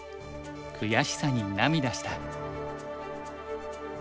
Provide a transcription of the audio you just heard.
悔しさに涙した。